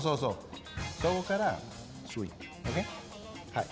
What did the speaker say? はい。